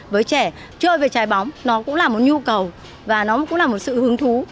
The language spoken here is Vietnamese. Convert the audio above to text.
với trẻ chơi về trái bóng nó cũng là một nhu cầu và nó cũng là một sự hứng thú